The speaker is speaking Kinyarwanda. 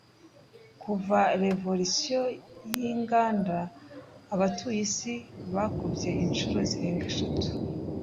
Kuva Revolisiyo Yinganda, abatuye isi bakubye inshuro zirenga eshatu.